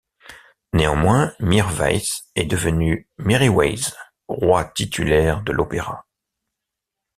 Néanmoins Mir Wais est devenu Miriways, roi titulaire de l'opéra.